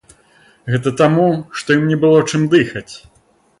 Гэта таму, што ім не было чым дыхаць.